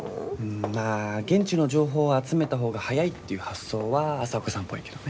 まあ現地の情報を集めた方が早いっていう発想は朝岡さんっぽいけどね。